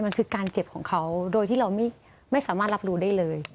มันคือการเจ็บของเขาโดยที่เราไม่สามารถรับรู้ได้เลย